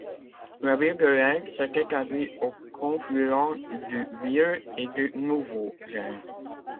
La ville de Leyde s'est établie au confluent du Vieux et du Nouveau Rhin.